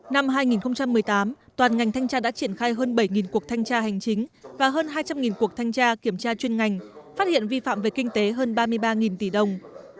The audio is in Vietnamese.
năm hai nghìn một mươi tám toàn ngành thanh tra đã triển khai hơn bảy cuộc thanh tra hành chính và hơn hai trăm linh cuộc thanh tra kiểm tra chuyên ngành phát hiện vi phạm về kinh tế hơn ba mươi ba tỷ đồng